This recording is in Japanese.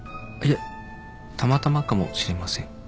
いやたまたまかもしれません。